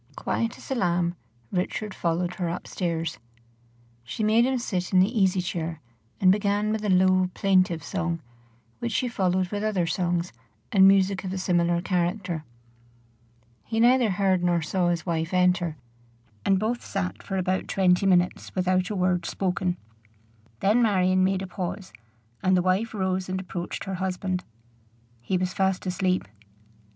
Quiet as a lamb Richard followed her up stairs. She made him sit in the easy chair, and began with a low, plaintive song, which she followed with other songs and music of a similar character. He neither heard nor saw his wife enter, and both sat for about twenty minutes without a word spoken. Then Marion made a pause, and the wife rose and approached her husband. He was fast asleep.